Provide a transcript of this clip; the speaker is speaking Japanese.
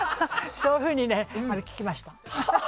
そういうふうに聞きました。